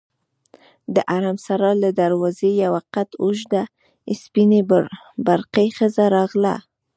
د حرم سرا له دروازې یوه قد اوږده سپینې برقعې ښځه راغله.